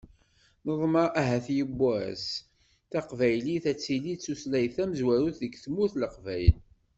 Neḍmeɛ ahat yiwwas, taqbaylit ad tili d tutlayt tamezwarut deg tmurt n Leqbayel.